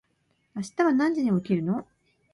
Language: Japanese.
明日は何時に起きるの？